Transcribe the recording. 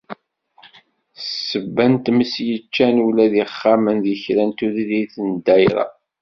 S ssebba n tmes yeččan ula d ixxamen deg kra n tudrin n ddayra.